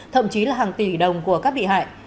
thậm chí là hàng tỷ đồng của các bị hại